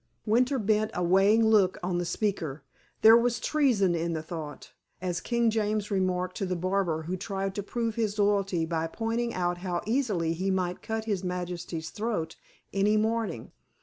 Winter bent a weighing look on the speaker. There was treason in the thought, as King James remarked to the barber who tried to prove his loyalty by pointing out how easily he might cut his majesty's throat any morning.